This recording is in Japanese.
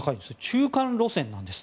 中間路線なんです。